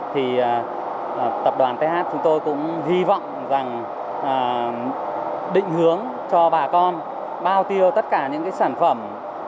thì tập đoàn th chúng tôi cũng hy vọng rằng định hướng cho bà con bao tiêu tất cả những sản phẩm